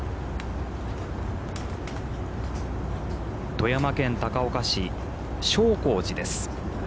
富山県高岡市勝興寺です。